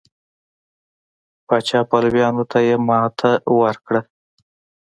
پاچا پلویانو ته یې ماتې ورکړه.